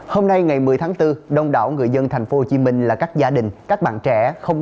hôm nay ngày một mươi tháng bốn đông đảo người dân thành phố hồ chí minh là các gia đình các bạn trẻ không